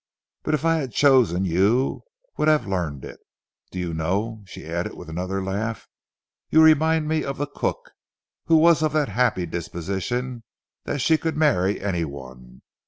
But if I had chosen you would have learned it. Do you know," she added with another laugh, "you remind me of the cook, who was of that 'appy disposition that she could marry anyone?